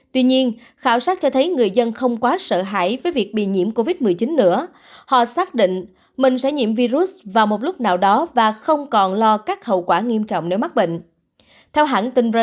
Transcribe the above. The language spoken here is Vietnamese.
tuy nhiên khảo sát cho thấy người dân không quá sợ hãi với việc bị nhiễm covid một mươi chín nữa